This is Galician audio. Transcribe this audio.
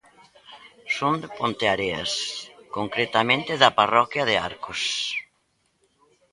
Son de Ponteareas, concretamente da parroquia de Arcos.